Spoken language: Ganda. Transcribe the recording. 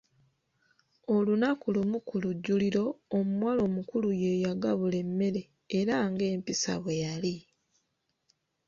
Olunaku lumu ku lujjuliro, omuwala omukulu ye yagabula emmere era nga empisa bwe yali.